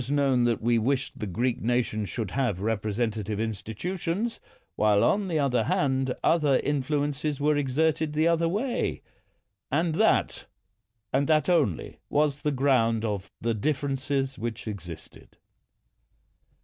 It was knoAATi that we wished the Greek nation should have representative institutions, while, on the other hand, other influences were exerted the other way ; and that, and that only, was the ground of the differences which existed.